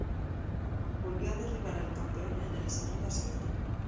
Volvió a derribar al campeón en el segundo asalto.